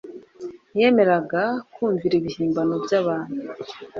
ntiyemeraga kumvira ibihimbano by'abantu.